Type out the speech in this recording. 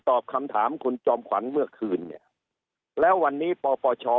ตอบคำถามคุณจอมขวัญเมื่อคืนเนี่ยแล้ววันนี้ปปช